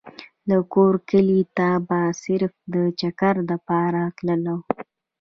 او کور کلي ته به صرف د چکر دپاره تللو ۔